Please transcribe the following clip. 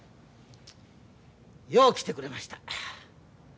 よう来てくれました。